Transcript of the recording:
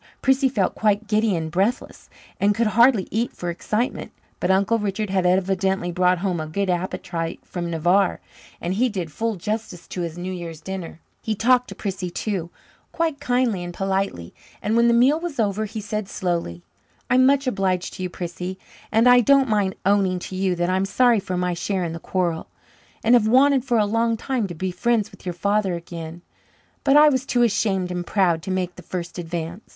Prissy felt quite giddy and breathless, and could hardly eat for excitement; but Uncle Richard had evidently brought home a good appetite from Navarre, and he did full justice to his New Year's dinner. He talked to Prissy too, quite kindly and politely, and when the meal was over he said slowly: "I'm much obliged to you, Prissy, and I don't mind owning to you that I'm sorry for my share in the quarrel, and have wanted for a long time to be friends with your father again, but I was too ashamed and proud to make the first advance.